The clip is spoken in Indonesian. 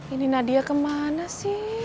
ini nadia kemana sih